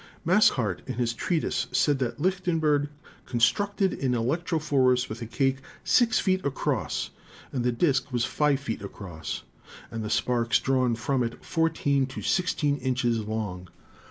"Mascart in his treatise says that Lichtenberg con structed an electrophorus with a cake six feet across and the disk was five feet across, and. the sparks drawn from it fourteen to sixteen inches long.